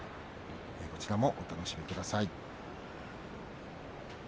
こちらもお楽しみください。